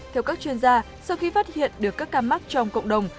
theo các chuyên gia sau khi phát hiện được các ca mắc trong cộng đồng